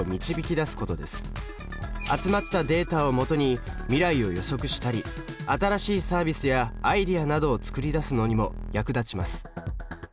集まったデータをもとに未来を予測したり新しいサービスやアイデアなどを作り出すのにも役立ちます。